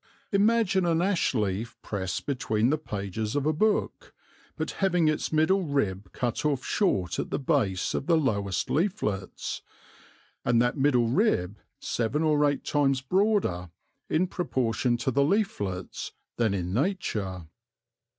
Imagine an ash leaf pressed between the pages of a book, but having its middle rib cut off short at the base of the lowest leaflets, and that middle rib seven or eight times broader, in proportion to the leaflets, than in nature.